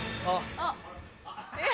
あっ。